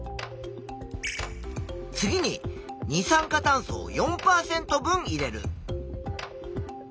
次に二酸化炭素を４％分入れる。